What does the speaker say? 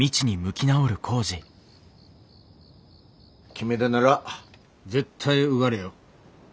決めだなら絶対受がれよ。